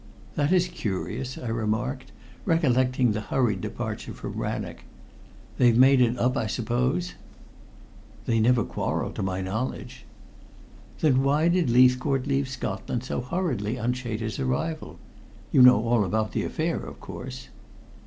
"That is curious," I remarked, recollecting the hurried departure from Rannoch. "They've made it up, I suppose?" "They never quarreled, to my knowledge." "Then why did Leithcourt leave Scotland so hurriedly on Chater's arrival? You know all about the affair, of course?"